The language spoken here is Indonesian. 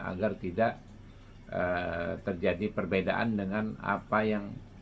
agar tidak terjadi perbedaan dengan apa yang